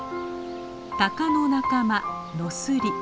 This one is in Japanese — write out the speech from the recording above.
タカの仲間ノスリ。